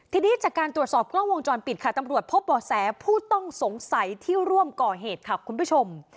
ทีนี้จากการตรวจสอบกล้องวงจรปิดค่ะตำรวจพบบ่อแสผู้ต้องสงสัยที่ร่วมก่อเหตุค่ะคุณผู้ชม